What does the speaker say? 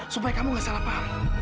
supaya kamu gak salah paham